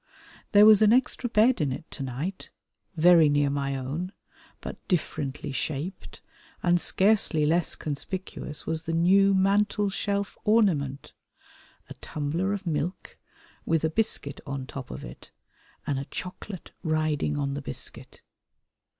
There was an extra bed in it tonight, very near my own, but differently shaped, and scarcely less conspicuous was the new mantel shelf ornament: a tumbler of milk, with a biscuit on top of it, and a chocolate riding on the biscuit.